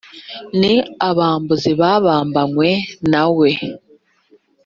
ni abambuzi babambanywe na we